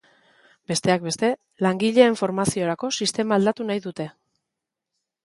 Besteak beste, langileen formaziorako sistema aldatu nahi dute.